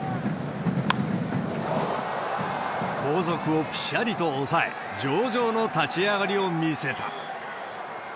後続をぴしゃりと抑え、上々の立ち上がりを見せた。